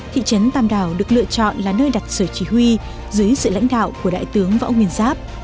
thị trấn tàm đảo được lựa chọn là nơi đặt sở chỉ huy dưới sự lãnh đạo của đại tướng võ nguyên giáp